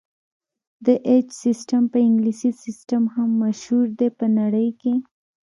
د ایچ سیسټم په انګلیسي سیسټم هم مشهور دی په نړۍ کې.